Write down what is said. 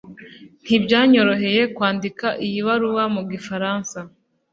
ntibyanyoroheye kwandika iyi baruwa mu gifaransa